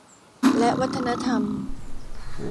และวัฒนธรรม